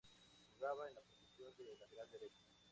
Jugaba en la posición de lateral derecho.